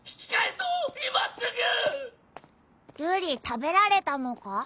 瑠璃食べられたのか？